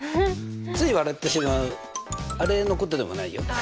つい笑ってしまうあれのことでもないよ。